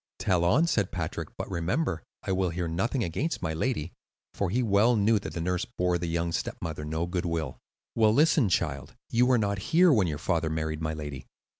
"Tell on," said Patrick. "But remember, I will hear nothing against my lady;" for he well knew that the nurse bore the young stepmother no good will. "Well, listen, child. You were not here when your father married my lady.